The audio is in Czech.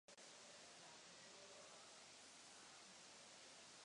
Nejedná se o jedinou oblast, kde je potřeba lepší informovanost.